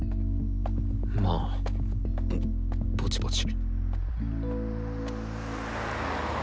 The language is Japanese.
まあぼちぼち。